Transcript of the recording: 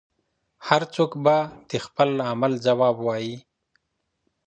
هر څوک به د خپل عمل ځواب وايي.